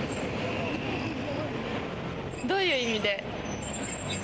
どういう意味で？